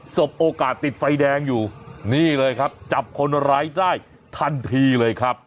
สบโอกาสติดไฟแดงอยู่นี่เลยครับจับคนร้ายได้ทันทีเลยครับ